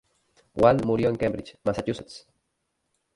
Wald murió en Cambridge, Massachusetts.